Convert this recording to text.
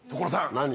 何？